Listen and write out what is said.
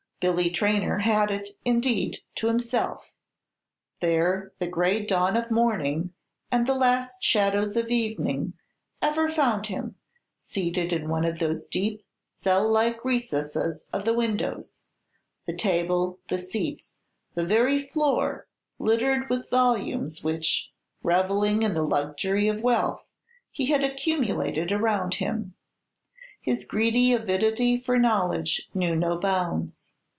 Billy Traynor had it, indeed, to himself. There, the gray dawn of morning, and the last shadows of evening, ever found him, seated in one of those deep, cell like recesses of the windows; the table, the seats, the very floor littered with volumes which, revelling in the luxury of wealth, he had accumulated around him. His greedy avidity for knowledge knew no bounds.